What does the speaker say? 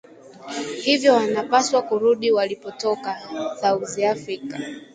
hivyo wanapaswa kurudi walipotoka, south africa